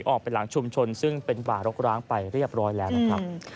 ออกไปหลังชุมชนซึ่งเป็นป่ารกร้างไปเรียบร้อยแล้วนะครับ